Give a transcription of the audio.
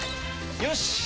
よし！